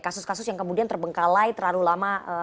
kasus kasus yang kemudian terbengkalai terlalu lama